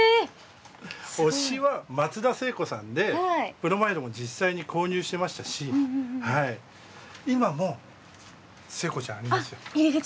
推しは松田聖子さんでブロマイドも実際に購入しましたし今も聖子ちゃんありますよ。